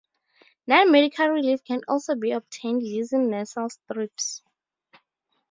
Non-medical relief can also be obtained using nasal strips.